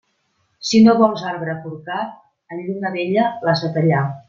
Si no vols arbre corcat, en lluna vella l'has de tallar.